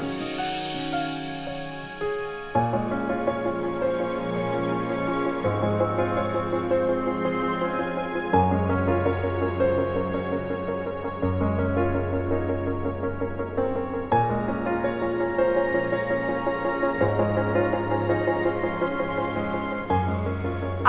anak anaknya udah selesai